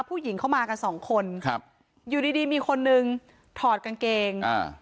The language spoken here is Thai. ผู้หญิงเข้ามากันสองคนครับอยู่ดีดีมีคนนึงถอดกางเกงอ่า